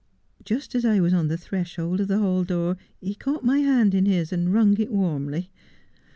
Just as I was on the threshold of the hall door he caught my hand in his, and wrung it warmly.